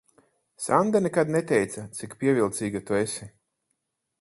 Sanda nekad neteica, cik pievilcīga tu esi.